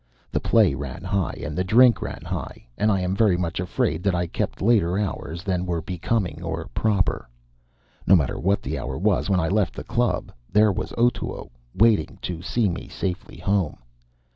The play ran high, and the drink ran high; and I am very much afraid that I kept later hours than were becoming or proper. No matter what the hour was when I left the club, there was Otoo waiting to see me safely home.